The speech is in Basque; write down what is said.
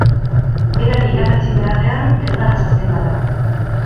Berari irakatsi beharrean, erdaraz hasten gara.